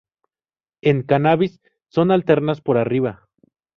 En "Cannabis" son alternas por arriba.